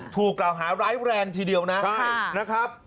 ถูกกล่าวหาร้ายแรงทีเดียวนะครับ